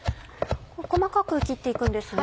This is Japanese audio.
細かく切って行くんですね。